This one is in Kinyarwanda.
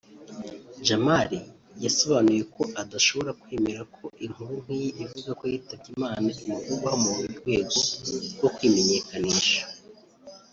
Jamal yasobanuye ko adashobora kwemera ko inkuru nk’iyi ivuga ko yitabye Imana imuvugwaho mu rwego rwo kwimenyekanisha